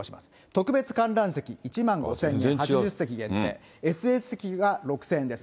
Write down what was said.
特別観覧席１万５０００円、８０席限定、ＳＳ席は６０００円です。